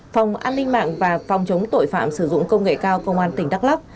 phòng an ninh mạng và phòng chống tội phạm sử dụng công nghệ cao công an tỉnh đắk lắc